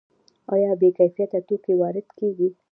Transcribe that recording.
آیا بې کیفیته توکي وارد کیږي؟